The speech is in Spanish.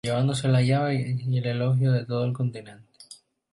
Llevándose la llave y el elogio de todo el continente.